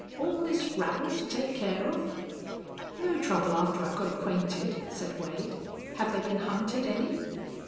All this rabble to take care of!" "No trouble after I've got acquainted," said Wade. "Have they been hunted any?"